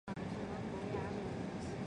郑绥挟持黎槱退往安朗县。